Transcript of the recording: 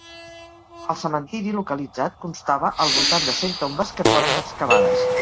El cementiri localitzat constava al voltant de cent tombes que foren excavades.